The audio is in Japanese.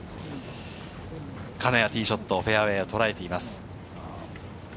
金谷のティーショット、フェアウエーをとらえています。